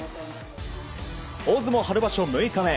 大相撲春場所６日目。